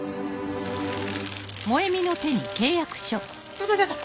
ちょっとちょっと！